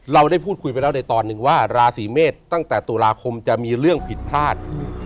เราได้พูดคุยไปแล้วในตอนหนึ่งว่าราศีเมษตั้งแต่ตุลาคมจะมีเรื่องผิดพลาด